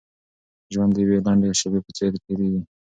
ژوند د يوې لنډې شېبې په څېر تېرېږي.